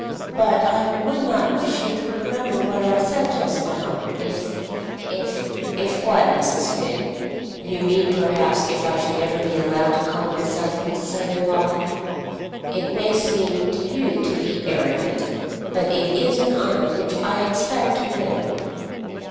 But I would not wish you to remember what I said just now, if if " "If what, Mrs. Finn? You mean, perhaps, if I should ever be allowed to call myself his son in law. It may seem to you to be arrogant, but it is an honour which I expect to win."